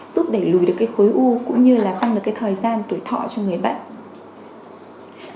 giúp đẩy lùi khối u cũng như tăng thời gian tuổi thọ cho người bệnh